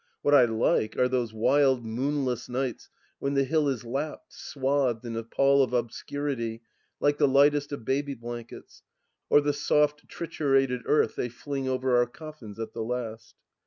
What I like are those wild, moonless nights when the hill is lapped, swathed, in a pall of obscurity, like the lightest of baby blankets, or the soft triturated earth they fling over our coflBns at the last.